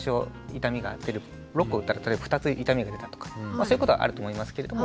６個打ったら例えば２つ痛みが出たとかまあそういうことはあると思いますけれども。